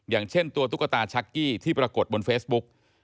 อย่างเช่นตัวตุ๊กตาชักกี้ที่ปรากฏบนเฟซบุ๊ก